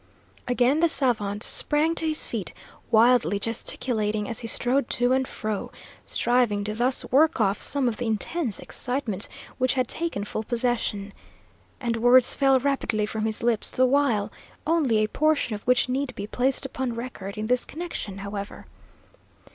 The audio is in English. Again the savant sprang to his feet, wildly gesticulating as he strode to and fro, striving to thus work off some of the intense excitement which had taken full possession. And words fell rapidly from his lips the while, only a portion of which need be placed upon record in this connection, however.